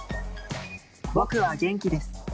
「僕は元気です」